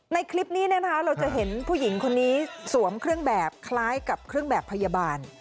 ในคลิปนี้เราจะเห็นผู้หญิงคนนี้สวมเครื่องแบบคล้ายกับเครื่องแบบพยาบาล